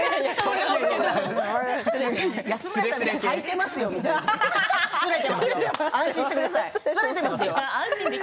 安村さんのはいてますよみたいな安心してくださいすれてますよ。